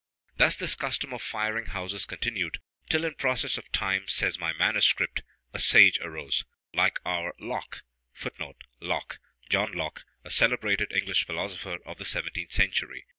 Thus this custom of firing houses continued, till in process of time, says my manuscript, a sage arose, like our Locke, [Footnote: Locke: John Locke, a celebrated English philosopher of the seventeenth century.